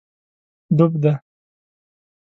ډوب دی